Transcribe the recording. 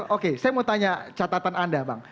oke saya mau tanya catatan anda bang